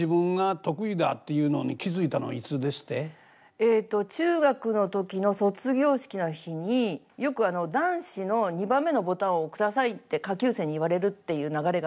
えっと中学の時の卒業式の日によくあの男子の２番目のボタンを下さいって下級生に言われるっていう流れがあったんですけど。